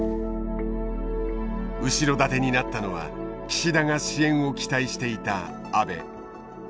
後ろ盾になったのは岸田が支援を期待していた安倍。